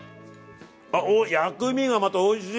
あ薬味がまたおいしい！